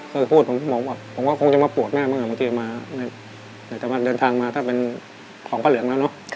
คือพูดผมว่ากลงจะมาปวดแม่มึงนะไม่ว่าจะมาเดินทางมาถ้าเป็นของพระเหลืองนั้นเนอะ